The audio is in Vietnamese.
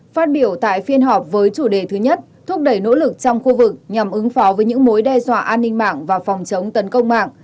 phát biểu tại phiên họp với chủ đề thứ nhất thúc đẩy nỗ lực trong khu vực nhằm ứng phó với những mối đe dọa an ninh mạng và phòng chống tấn công mạng